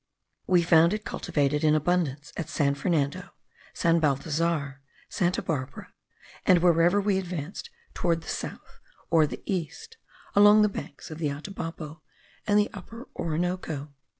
We found it cultivated in abundance at San Fernando, San Balthasar, Santa Barbara, and wherever we advanced towards the south or the east along the banks of the Atabapo and the Upper Orinoco.